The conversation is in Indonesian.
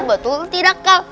betul tidak kak